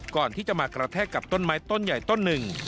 ก่อนที่จะมากระแทกกับต้นไม้ต้นใหญ่ต้นหนึ่ง